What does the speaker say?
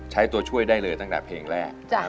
ตัวช่วยได้เลยตั้งแต่เพลงแรก